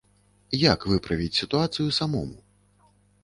Як выправіць сітуацыю самому?